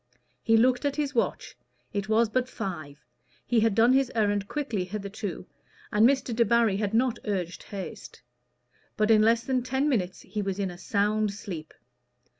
He looked at his watch: it was but five; he had done his errand quickly hitherto, and Mr. Debarry had not urged haste. But in less than ten minutes he was in a sound sleep.